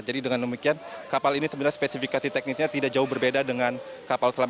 jadi dengan demikian kapal ini sebenarnya spesifikasi teknisnya tidak jauh berbeda dengan kapal selam